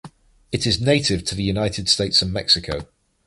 It is native to the United States and Mexico.